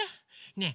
ねえ